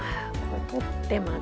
取ってまず。